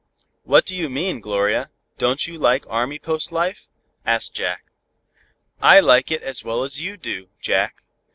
"What do you mean, Gloria? Don't you like Army Post life?" asked Jack. "I like it as well as you do, Jack.